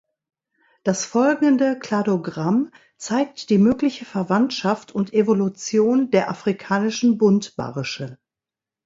Das folgende Kladogramm zeigt die mögliche Verwandtschaft und Evolution der afrikanischen Buntbarsche.